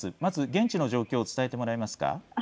現地の状況を伝えてもらえますか。